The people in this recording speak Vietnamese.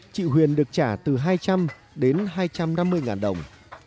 chị huyền được trả từ hai trăm linh đến hai trăm năm mươi ngàn đồng